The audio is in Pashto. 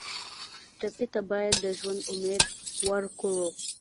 ټپي ته باید د ژوند امید ورکړو.